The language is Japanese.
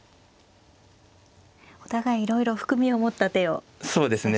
お互いいろいろ含みを持った手を指していきますね。